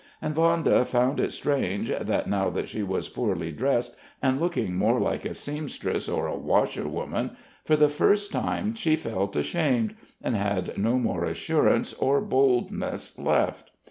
And Vanda found it strange that, now that she was poorly dressed and looking more like a seamstress or a washerwoman, for the first time she felt ashamed, and had no more assurance or boldness left.